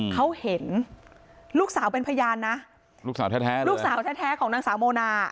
เขาเห็นลูกสาวเป็นพยานนะลูกสาวแท้ลูกสาวแท้ของนางสาวโมนา